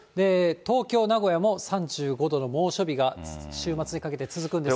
東京、名古屋も３５度の猛暑日が、週末にかけて続くんですが。